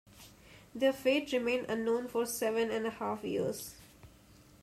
Their fate remained unknown for seven and a half years.